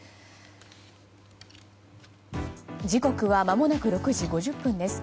時刻はまもなく６時５０分です。